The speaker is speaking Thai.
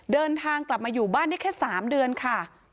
เดินทางกลับมาอยู่บ้านได้แค่๓เดือนค่ะ